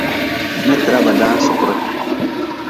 Metra ba daan sukure.